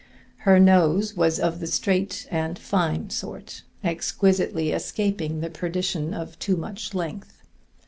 Her nose was of the straight and fine sort, exquisitely escaping the perdition of too much length.